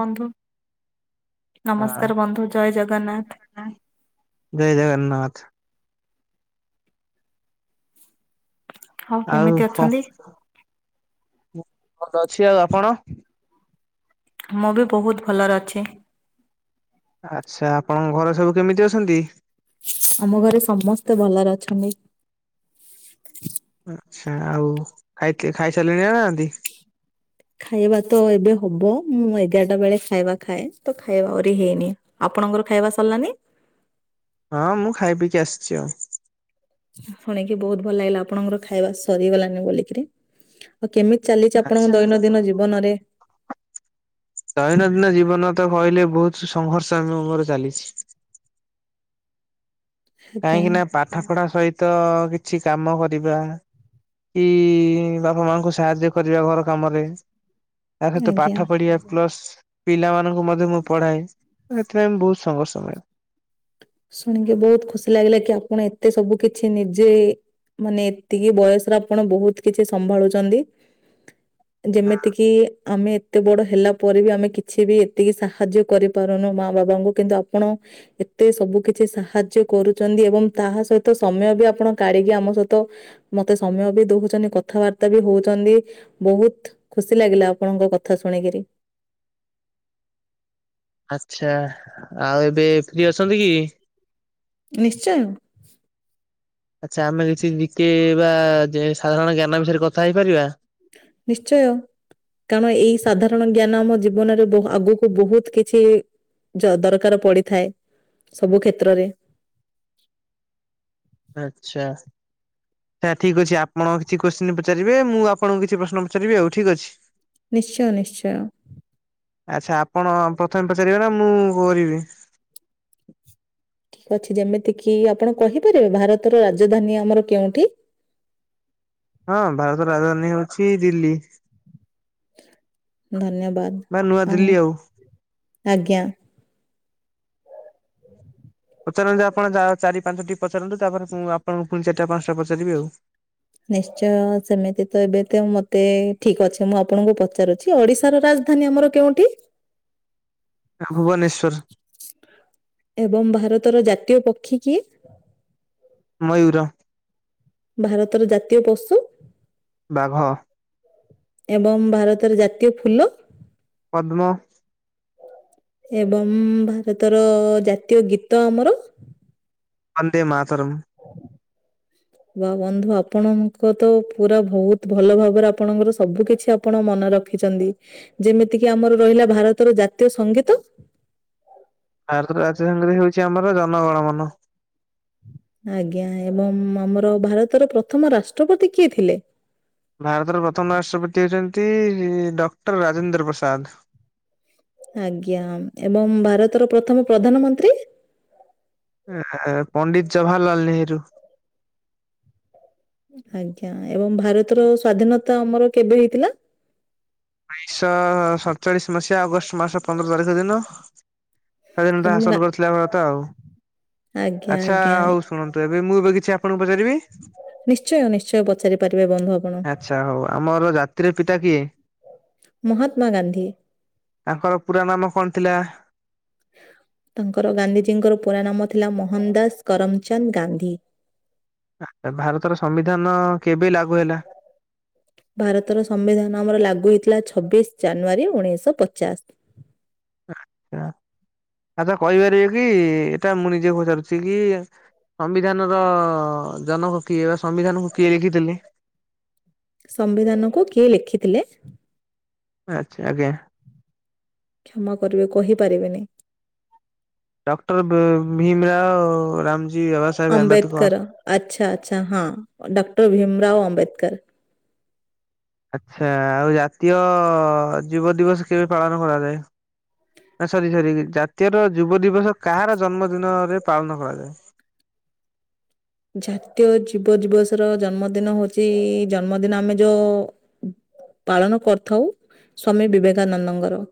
ବନ୍ଧୁ ନମସ୍କାର ହଁ ବନ୍ଧୁ ଜୟ ଜଗନ୍ନାଥ। ଜୟ ଜଗନ୍ନାଥ। ଆଉ କେମିତି କ ଅଛନ୍ତି? ମୁ ଭଲ ଅଛି ଆଉ ଆପଣ। ମୁଁ ବି ବହୁତ ଭଲରେ ଅଛି। ଆଚ୍ଛା ଆପଣଙ୍କ ଘରେ ସବୁ କେମିତି ଅଛନ୍ତି। ଆମ ଘରେ ସମସ୍ତେ ଭଲରେ ଅଛନ୍ତି। ଆଚ୍ଛା ଆଉ ଖାଇ ଖାଇସାରିଲଣି ନା ନାହାନ୍ତି। ଖାଇବା ତ ଏବେ ହବ ମୁଁ ଏଗାରଟା ବେଳେ ଖାଇବା ଖାଏ ତ ଖାଇବା ଆହୁରି ହେଇନି। ଆପଣଙ୍କର ଖାଇବା ସରିଲାନି। ହଁ ମୁଁ ଖାଇ ପିଇକି ଆସିଛି ଆଉ। ଶୁଣିକି ବହୁତ ଭଲ ଲାଗିଲା ଆପଣଙ୍କର ଖାଇବା ସରିଗଲାନି ବୋଲିକିରି ଆଉ କେମିତି ଚାଲିଛି ଆପଣଙ୍କ ଦୈନନ୍ଦିନ ଜୀବନରେ? ଦୈନନ୍ଦିନ ଜୀବନ ତ କହିଲେ ବହୁତ ସଂଘର୍ଷ ମୋର ଚାଲିଛି। ଆଜ୍ଞା। କାହିଁକି ନା ପାଠ ପଢା ସହିତ କିଛି କାମ କରିବା। କି ବାପା ମାଙ୍କୁ ସାହାଯ୍ୟ କରିବା ଘର କାମରେ। ତା ସହିତ ଆଜ୍ଞା ପାଠ ପଢିବା ପ୍ଲସ ପିଲାମାନଙ୍କୁ ମଧ୍ୟ ମୁଁ ପଢାଏ ସେଥିପାଇଁ ମୁ ବହୁତ ସଂଘର୍ଷକରେ। ଶୁଣିକି ବହୁତ ଖୁସି ଲାଗିଲା କି ଆପଣ ଏତେ ସବୁ କିଛି ନିଜେ ମାନେ ଏତିକି ବୟସର ଆପଣ ବହୁତ କିଛି ସମ୍ଭାଳୁଛନ୍ତି। ଯେମିତିକିି ଆମେ ଏତେ ବଡ ହେଲା ପରେ ବି ଆମେ କିଛି ବି ଏତିକି ସାହାଯ୍ୟ କରିପାରୁନୁ ମା ବାବାଙ୍କୁ କିନ୍ତୁ ଆପଣ ଏତେ ସବୁ କିଛି ସାହାଯ୍ୟ କରୁଛନ୍ତି ଏବଂ ତାହା ସହିତ ସମୟ ବି ଆପଣ କାଢିକି ଆମ ସହିତ ମତେ ସମୟ ବି ଦଉଛନ୍ତି କଥାବାର୍ତ୍ତା ବି ହଉଛନ୍ତି ବହୁତ ଖୁସି ଲାଗିଲା ଆପଣଙ୍କ କଥା ଶୁଣିକିରି। ଆଚ୍ଛା ଆଉ ଏବେ ଫ୍ରି ଅଛନ୍ତିକି? [inaudible] ଆଚ୍ଛା ଆମେ କିଛି ନିକେଇବା ସାଧାରଣ ଜ୍ଞାନ ବିଷୟରେ କଥା ହେଇପାରିବା? ନିଶ୍ଚୟ। କାରଣ ଏଇ ସାଧାରଣ ଜ୍ଞାନ ଆମ ଜୀବନରେ ଆଗକୁ ବହୁତ୍ କିଛି ଯ ଦରକାର ପଡ଼ିଥାଏ ସବୁ କ୍ଷେତ୍ରରେ ଆଚ୍ଛା। ସେ ଠିକ୍ ଅଛି ଆପଣ କିଛି କୋଶ୍ଚିନି ପଚାରିବେ ମୁଁ ଆପଣଙ୍କୁ କିଛି ପ୍ରଶ୍ନ ପଚାରିବି ଆଉ ଠିକ୍ ଅଛି। ନିଶ୍ଚୟ ନିଶ୍ଚୟ। ଆଚ୍ଛା ଆପଣ ପ୍ରଥମେ ପଚାରିବେ ନା ମୁଁ କରିବି? ଅଛି ଯେମିତିକିି ଆପଣ କହିପାରିବେ ଭାରତର ରାଜଧାନୀ ଆମର କେଉଁଠି? ହଁ ଭାରତର ରାଜଧାନୀ ହଉଚି ଦିଲ୍ଲୀ। ଧନ୍ୟବାଦ ବା ଆଉ ନୂଆଦିଲ୍ଲୀ ଆଜ୍ଞା। ପଚାରନ୍ତୁ ଆପଣ ଯା ଚାରି ପାଞ୍ଚଟି ପଚାରନ୍ତୁ ତାପରେ ମୁଁ ଆପଣଙ୍କୁ ପୁଣି ଚାରିଟା ପାଞ୍ଚଟା ପଚାରିବି ଆଉ। ନିଶ୍ଚୟ ସେମିତିତ ଏବେତ ମତେ ଠିକ୍ ଅଛି ମୁଁ ଆପଣଙ୍କୁ ପଚାରୁଛି। ଓଡିଶାର ରାଜଧାନୀ ଆମର କେଉଁଠି? ଭୁବନେଶ୍ଵର। ଏବଂ ଭାରତର ଜାତୀୟ ପକ୍ଷୀ କିଏ? ମୟୂର। ଭାରତର ଜାତୀୟ ପଶୁ? ବାଘ। ଏବଂ ଭାରତର ଜାତୀୟ ଫୁଲ? ପଦ୍ମ। ଏବଂ ଭାରତର ଜାତୀୟ ଗୀତ ଆମର? ବନ୍ଦେ ମାତରମ୍। ହଁ। ବା ବନ୍ଧୁ ଆପଣଙ୍କତ ପୁରା ବହୁତ୍ ଭଲ ଭାବରେ ଆପଣଙ୍କର ସବୁ କିଛି ଆ ଆପଣ ମନେ ରଖିଛନ୍ତି ଯେମିତିକି ଆମର ରହିଲା ଭାରତର ଜାତୀୟ ସଙ୍ଗୀତ? ଭାରତର ରାଜଧାନୀ ରେ ହଉଛି ଆମର ଜନଗଣ ମନ। ଆଜ୍ଞା ଏବଂ ଆମର ଭାରତର ପ୍ରଥମ ରାଷ୍ଟ୍ରପତି କିଏ ଥିଲେ? ଭାରତର ପ୍ରଥମ ରାଷ୍ଟ୍ରପତି ହେଉଛନ୍ତି ଡକ୍ଟର ରାଜେନ୍ଦ୍ର ପ୍ରସାଦ। ଆଜ୍ଞା ଏବଂ ଭାରତର ପ୍ରଥମ ପ୍ରଧାନମନ୍ତ୍ରୀ? ପଣ୍ଡିତ ଜବାହାରଲାଲ ନେହେରୁ। ଆଜ୍ଞା ଏବଂ ଭାରତର ସ୍ଵାଧୀନତା ଆମର କେବେ ହେଇଥିଲା? ଉଣେଇଶହ ସତଚାଳିଶ ମସିହା ଅଗଷ୍ଟ ମାସ ପନ୍ଦର ତାରିଖ ଦିନ ଏବଂ ସେଦିନଟା ଗା- ହାସଲ କରିଥିଲା ଭାରତ ଆଉ। ଆଜ୍ଞା ଆ ଆଉ ଶୁଣନ୍ତୁ ଏବେ ମୁଁ ଏବେ କିଛି ଆପଣଙ୍କୁ ପଚାରିବି? ନିଶ୍ଚୟ ନିଶ୍ଚୟ ପଚାରି ପାରିବେ ବନ୍ଧୁ ଆପଣ। ଆଚ୍ଛା ହଉ ଆମର ଜାତିର ପିତା କିଏ? ମହାତ୍ମା ଗାନ୍ଧୀ। ତାଙ୍କର ପୁରା ନାମ କଣ ଥିଲା? [inaudible] ତାଙ୍କର ଗାନ୍ଧିଜୀଙ୍କର ପୁରା ନାମ ଥିଲା ମୋହନ ଦାସ କରମଚନ୍ଦ ଗାନ୍ଧୀ। ଭାରତର ସମ୍ବିଧାନ କେବେ ଲାଗୁ ହେଲା? ଭାରତର ସମ୍ବିଧାନ ଆମର ଲାଗୁ ହେଇଥିଲା ଛବିଶ ଜାନୁଆରୀ ଉଣେଇଶହ ପଚାଶ। ଆ ଆଚ୍ଛା କହିପାରିବେ କି ଏଇଟା ମୁଁ ନିଜେ ପଚାରୁଛି କି ସମ୍ବିଧାନର ଜନକ କିଏ ବା ସମ୍ବିଧାନକୁ କିଏ ଲେଖିଥିଲେ? ସମ୍ବିଧାନକୁ କିଏ ଲେଖିଥିଲେ? ଆଚ୍ଛା ଆଜ୍ଞା। କ୍ଷମା କରିବେ କହିପାରିବିନି। ଡକ୍ଟର ବ ଭୀମ ରାଓ ରାମଜୀ ଆବାସ ଅମ୍ବେଦକର ଆଚ୍ଛା ଆଚ୍ଛା ହଁ ଡକ୍ଟର ଭିମରାଓ ଅମ୍ବେଦକର। ଆଚ୍ଛା ଆଉ ଜାତୀୟ ଯୁବ ଦିବସ କେବେ ପାଳନ କରାଯାଏ? ସରି ସରି ଜାତୀୟର ଯୁବ ଦିବସ କାହାର ଜନ୍ମଦିନରେ ପାଳନ କରାଯାଏ? ଜାତୀୟ ଯୁବ ଯୁବ ଦିବସ ର ଜନ୍ମଦିନ ହଉଛି ଜନ୍ମଦିନ ଆମେ ଯୋଉ ପାଳନ କରିଥାଉ ସ୍ଵାମୀ ବିବେକାନନ୍ଦଙ୍କର।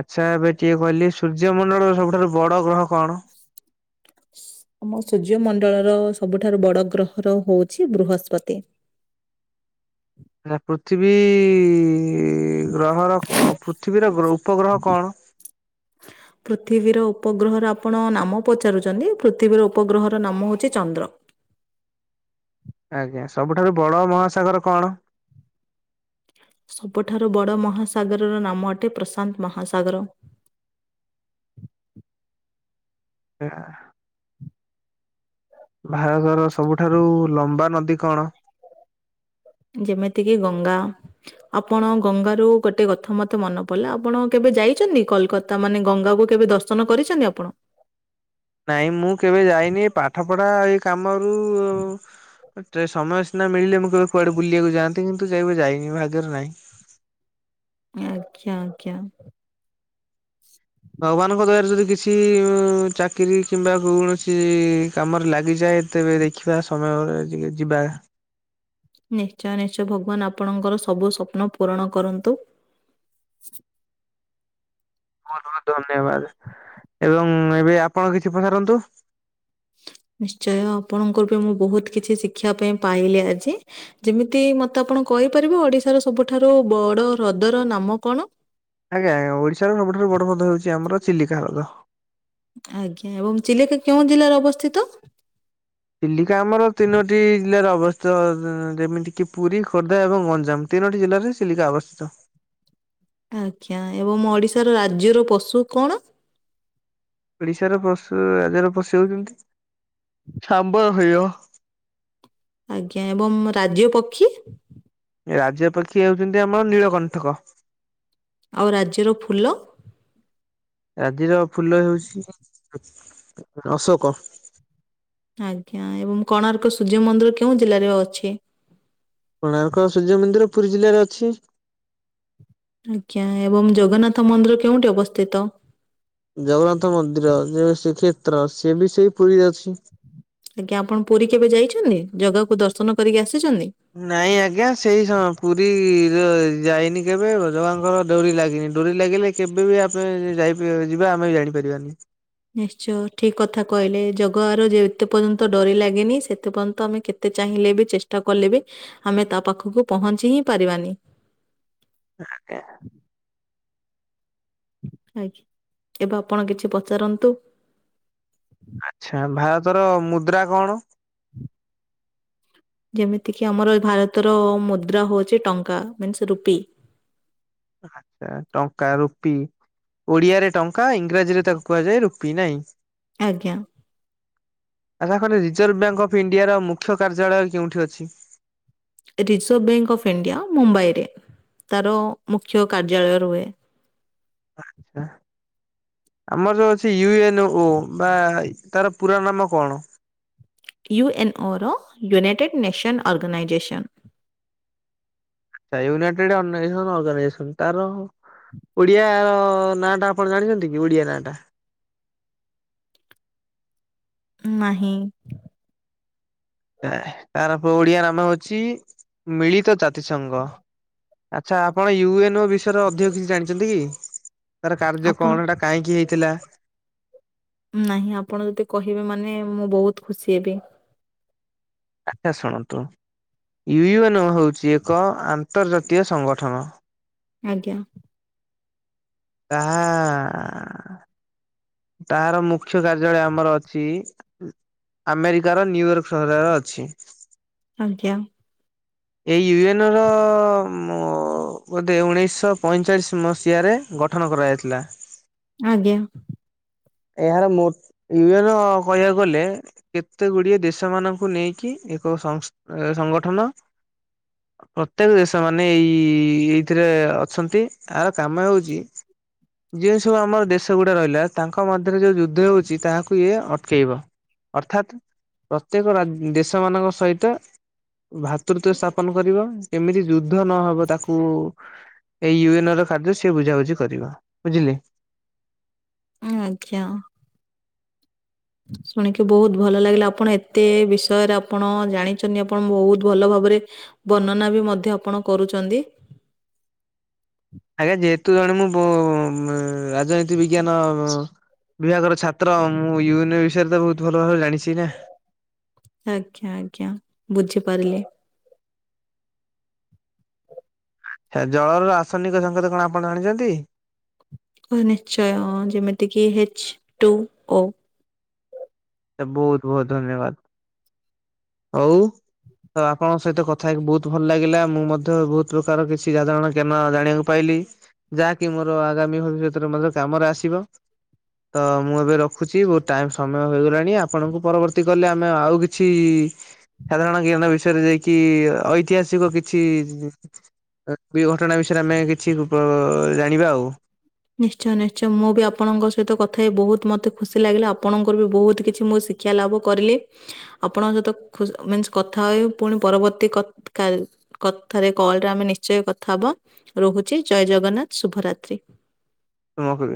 ଆଚ୍ଛା ଏବେ ଟିକେ କହିଲି ସୂର୍ଯ୍ୟମଣ୍ଡଳର ସବୁଠାରୁ ବଡ ଗ୍ରହ କଣ? ଆମ ସୂର୍ଯ୍ୟମଣ୍ଡଳର ସବୁଠାରୁ ବଡ ଗ୍ରହର ହଉଛି ବୃହସ୍ପତି। ନା ପୃଥିବୀ ଗ୍ରହର ପୃଥିବୀର ଉପଗ୍ରହ କଣ? [inaudible] ପୃଥିବୀର ଉପଗ୍ରହର ଆପଣ ନାମ ପଚାରୁଛନ୍ତି ପୃଥିବୀର ଉପଗ୍ରହର ନାମ ହଉଛି ଚନ୍ଦ୍ର। ଆଜ୍ଞା ସବୁଠାରୁ ବଡ ମହାସାଗର କଣ? ସବୁଠାରୁ ବଡ ମହାସାଗରର ନାମ ଅଟେ ପ୍ରଶାନ୍ତ ମହାସାଗର। [unintelligible] ଭାରତର ସବୁଠାରୁ ଲମ୍ବା ନଦୀ କଣ? ଯେମିତିକି ଗଙ୍ଗା ଆପଣ ଗଙ୍ଗାରୁ ଗୋଟେ କଥା ମତେ ମନ ପଡିଲା ଆପଣ କେବେ ଯାଇଛନ୍ତି କୋଲକାତା ମାନେ ଗଙ୍ଗାକୁ କେବେ ଦର୍ଶ ର୍ଶନ କରିଛନ୍ତି ଆପଣ? ନାଇଁ ମୁଁ କେବେ ଯାଇନି ଏଇ ପାଠ ପଢା ଏଇ କାମରୁ ସମୟ ସିନା ମିଳିଲେ ମୁଁ କେବେ କୁଆଡେ ବୁଲିବାକୁ ଯାଆନ୍ତି କିନ୍ତୁ କେବେ ଯାଇନି ଭାଗ୍ୟରେ ନାହିଁ। ଆଜ୍ଞା ଆଜ୍ଞା। ଭଗବାନଙ୍କ ଦ୍ଵାରା ଯଦି କିଛି ମ-ମ ଚାକିରି କିମ୍ବା କୌଣସି କାମରେ ଲାଗିଯାଏ ତେବେ ଦେଖିବା ସମୟରେ ଯେ ଯିବା ନିଶ୍ଚୟ ନିଶ୍ଚୟ ଭଗବାନ ଆପଣଙ୍କର ସବୁ ସ୍ୱପ୍ନ ପୂରଣ କରନ୍ତୁ। ବହୁତ ବହୁତ ଧନ୍ୟବାଦ ଏବଂ ଏବେ ଆପଣ କିଛି ପଚାରନ୍ତୁ। ନିଶ୍ଚୟ ଆପଣଙ୍କର ବି ମୁଁ ବହୁତ କିଛି ଶିଖିବା ପାଇଁ ପାଇଲି ଆଜି ଯେମିତି ମତେ ଆପଣ କହିପାରିବେ ଓଡିଶାର ସବୁଠାରୁ ବଡ ହ୍ରଦର ନାମ କଣ? ଆଜ୍ଞା ଆଜ୍ଞା ଓଡିଶାର ସବୁଠାରୁ ବଡ ହ୍ରଦ ହଉଛି ଆମର ଚିଲିକା ହ୍ରଦ। ଆଜ୍ଞା ଏବଂ ଚିଲିକା କେଉଁ ଜିଲ୍ଲାରେ ଅବସ୍ଥିତ? ଚିଲିକା ଆମର ତିନୋଟି ଜିଲ୍ଲାରେ ଅବସ୍ଥିତ ଯେମିତିକିି ପୁରୀ, ଖୋର୍ଦ୍ଧା ଏବଂ ଗଞ୍ଜାମ। ତିନୋଟି ଜିଲ୍ଲାରେ ଚିଲିକା ଅବସ୍ଥିତ। ଆଜ୍ଞା ଏବଂ ଓଡିଶାର ରାଜ୍ୟର ପଶୁ କଣ? ଓଡିଶାର ପଶୁ ରାଜ୍ୟର ପଶୁ ହେଉଛନ୍ତି ସାମ୍ବର, ହରିଣ। ଆଜ୍ଞା ଏବଂ ରାଜ୍ୟ ପକ୍ଷୀ? ରାଜପକ୍ଷୀ ହେଉଛନ୍ତି ଆମର ନୀଳକଣ୍ଠକ। ଆଉ ରାଜ୍ୟର ଫୁଲ? ରାଜ୍ୟର ଫୁଲ ହେଉଛି ଅଶୋକ। ଆଜ୍ଞା ଏବଂ କୋଣାର୍କ ସୂର୍ଯ୍ୟ ମନ୍ଦିର କେଉଁ ଜିଲ୍ଲାରେ ଅଛି? କୋଣାର୍କ ସୂର୍ଯ୍ୟ ମନ୍ଦିର ପୁରୀ ଜିଲ୍ଲାରେ ଅଛି। ଆଜ୍ଞା ଏବଂ ଜଗନ୍ନାଥ ମନ୍ଦିର କେଉଁଠି ଅବସ୍ଥିତ? ଜଗନ୍ନାଥ ମନ୍ଦିର ଯେଉ ଶ୍ରୀକ୍ଷେତ୍ର ସେ ବି ସେଇ ପୁରୀ ରେ ଅଛି। ଆଜ୍ଞା ଆପଣ ପୁରୀ କେବେ ଯାଇଛନ୍ତି? ଜାଗାକୁ ଦର୍ଶନ କରିକି ଆସିଛନ୍ତି। ନାଇଁ ଆଜ୍ଞା ସେଇ ସମୟ ପୁରୀରେ ଯାଇନି କେବେ ଜାଗାଙ୍କର ଡୋରି ଲାଗିନି ଡୋରି ଲାଗିଲେ କେବେ ବି ଆମେ ଯାଇ ଯିବା ଆମେ ବି ଜାଣିପାରିବାନି। ନିଶ୍ଚୟ ଠିକ କଥା କହିଲେ ଜଗାର ଯେତେ ପର୍ଯ୍ୟନ୍ତ ଡୋରି ଲାଗେନି ସେତେ ପର୍ଯ୍ୟନ୍ତ ଆମେ କେତେ ଯେତେ ଚାହିଁଲେ ବି ଚେଷ୍ଟା କଲେ ବି ଆମେ ତା ପାଖକୁ ପହଞ୍ଚି ହିଁ ପାରିବାନି। ଆଜ୍ଞା। ଆଜ୍ଞା ଏବେ ଆପଣ କିଛି ପଚାରନ୍ତୁ? ଆଚ୍ଛା ଭାରତର ମୁଦ୍ରା କଣ? ଯେମିତିକି ଆମର ଏ ଭାରତର ମୁଦ୍ରା ହୋଉଛି ଟଙ୍କା ମିନ୍ସ ରୁପି। ଆଛା ଟଙ୍କା ରୁପି। ଓଡ଼ିଆରେ ଟଙ୍କା ଇଂରାଜୀରେ ତାକୁ କୁହାଯାଏ ରୁପି ନାହିଁ? ଆଜ୍ଞା। ଆସା କନି ରିଜର୍ଭ ବ୍ୟାଙ୍କ୍ ଅଫ୍ ଇଣ୍ଡିଆର ମୁଖ୍ୟ କାର୍ଯ୍ୟାଳୟ କେଉଁଠି ଅଛି? ରିଜର୍ଭ ବ୍ୟାଙ୍କ ଅଫ୍ ଇଣ୍ଡିଆ ମୁମ୍ବାଇରେ ତାର ମୁଖ୍ୟ କାର୍ଯ୍ୟାଳୟ ରୁହେ। ଆଚ୍ଛା। ଆମର ଯ ଅଛି ସେ ୟୁଏନଓ ବା ତାର ପୁରା ନାମ କଣ? U N O ରୋୟୁନାଇଟେଡ୍ nation organisation. ସାଇ ୟୁନାଇଟେଡ୍ ଅନନାଇଜେସନ୍ ଅର୍ଗାଇ ନେସନ୍ ତାର ଓଡିଆର ନାଁଟା ଆପଣ ଜାଣିଛନ୍ତି କି, ଓଡିଆ ନାଁ ଟା? ନାହିଁ। ତାର ଓଡିଆ ନାମ ହେଉଛି ମିଳିତ ଜାତି ସଂଘ। ଆଚ୍ଛା ଆପଣ ୟୁ ଏନ ଓ ବିଷୟର ଅଧିକ କିଛି ଜାଣିଛନ୍ତି କି? ତାର କାର୍ଯ୍ୟ ଆପଣ କଣ ହେଟା କାହିଁକି ହେଇଥିଲା? ନାହିଁ ଆପଣ ଯଦି କହିବେ ମାନେ ମୁଁ ବୋହୁତ ଖୁସି ହେବି। ଆଚ୍ଛା ଶୁଣନ୍ତୁ, ୟୁଏନଓ ହୋଉଛି ଏକ ଆନ୍ତର୍ଜାତୀୟ ସଂଗଠନ। ଆଜ୍ଞା। କା- ହା - ଆ। ତାର ମୁଖ୍ୟ କାର୍ଯ୍ୟାଳୟ ଆମର ଅଛି। ଆମେରିକାର ନ୍ୟୁୟର୍କ ସହରରେ ଅଛି। ଆଜ୍ଞା। ଏଇ ୟୁ ଏନ ର ମ ଅ ବୋଧେ ଉଣେଇଶଶହ ପଇଁଚାଳିଶ ମସିହାରେ ଗଠନ କରାଯାଇଥିଲା। ଆଜ୍ଞା। ଏହାର ମୋଟ୍ ୟୁଏନର କହିବାକୁ ଗଲେ। କେତେ ଗୁଡିଏ ଦେଶ ମାନଙ୍କୁ ନେଇକି ଏକ ସଂସ୍ ସଂଗଠନ। ପ୍ରତ୍ୟେକ ଦେଶ ମାନେ ଏଇଏଇଥିରେ ଅଛନ୍ତି। ଆର କାମ ହେଉଛି ଯେଉ ସବୁ ଆମର୍ ଦେଶ ଗୁଡା ରହିଲା ତାଙ୍କ୍ ଙ୍କ ମଧ୍ୟରେ ଯୋଉ ଯୁଦ୍ଧ ହେଉଛି ତାହାକୁ ଇଏ ଅଟକେଇବ। ଅର୍ଥାତ୍ ପ୍ରତ୍ୟେକ ରାଜ୍ ଦେଶ ମାନଙ୍କ ସହିତ ଭ୍ରାତୃତ ସ୍ଥାପନ କରିବ। କେମିତି ଯୁଦ୍ଧ ନହବ ତାକୁ ଏଇ ୟୁ ଏନ୍ ର କାର୍ଯ୍ୟ ସିଏ ବୁଝାବୁଝି କରିବ ବୁଝିଲେ? ହୁଁ ଆଜ୍ଞା। ଶୁଣିକି ବହୁତ୍ ଭଲ ଲାଗିଲା। ଆପଣ ଏତେ ବିଷୟରେ ଆପଣ ଜାଣିଛନ୍ତି ଆପଣ ବହୁତ ଭଲ ଭାବରେ ବର୍ଣ୍ଣନା ବି ମଧ୍ୟ ଆପଣ କରୁଛନ୍ତି। ଆଜ୍ଞା ଯେହେତୁ ଜଣେ ମୁଁ ବୋ ରାଜନୀତି ବିଜ୍ଞାନ ବିଭାଗର ଛାତ୍ର ମୁଁ ୟୁନ ବିଷୟରେ ତ ବହୁତ ଭଲ ଭାବରେ ଜାଣିଛି ନା। ଆଜ୍ଞା ଆଜ୍ଞା ବୁଝିପାରିଲି। ଆଛା ଜଳର ରାସନିକ ସଂଙ୍କେତ କଣ ଆପଣ ଜାଣିଛନ୍ତି? ଓ ନିଶ୍ଚୟ ଯେମିତି କିି ହିଚ୍ ଟୁ ଓ। ବହୁତ ବହୁତ ଧନ୍ୟବାଦ ହଉ ତ ଆପଣଙ୍କ ସହିତ କଥା ହେକି ବହୁତ ଭଲ ଲାଗିଲା ମୁଁ ମଧ୍ୟ ବହୁତ ପ୍ରକାର କିଛି ସାଧାରଣ ଜ୍ଞାନ ଜାଣିବାକୁ ପାଇଲି ଯାହାକି ମୋର ଆଗାମୀ ଭବିଷ୍ୟତରେ ମଧ୍ୟ କାମରେ ଆସିବ। ତ ମୁଁ ଏବେ ରଖୁଛି ବହୁତ ଟାଇମ୍ ସମୟ ହେଇଗଲାଣି ନି ଆପଣଙ୍କୁ ପରବର୍ତ୍ତୀ କଲେ ଆମେ ଆଉ କିଛି ସାଧାରଣ ଜ୍ଞାନ ବିଷୟରେ ଯାଇକି ଐତିହାସିକ କିଛି ଘଟଣା ବିଷୟରେ ଆମେ କିଛି ଗ ଜାଣିବା ଆଉ ନିଶ୍ଚୟ ନିଶ୍ଚୟ ମୁଁ ବି ଆପଣଙ୍କ ସହିତ କଥା ହେଇ ବହୁତ ମତେ ଖୁସି ଲାଗିଲା ଆପଣଙ୍କର ବି ବହୁତ କିଛି ମୁଁ ଶିଖି ଶିକ୍ଷା ଲାଭ କରିଲି। ଆପଣଙ୍କ ସହିତ ଖ ମିନ୍ସ କଥା ହୁଏ ପୁଣି ପରବର୍ତ୍ତୀ କଥାରେ କଲରେ ଆମେ ନିଶ୍ଚୟ କଥା ହବା ରହୁଛି ଜୟ ଜଗନ୍ନାଥ ଶୁଭରାତ୍ରି। ଆଉ